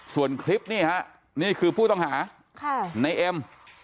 ส่วนคลิปนี่ฮะนี่คือผู้ต้องหาในเอ็ม